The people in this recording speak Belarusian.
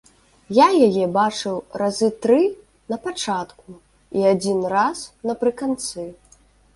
Я яе бачыў разы тры на пачатку і адзін раз напрыканцы.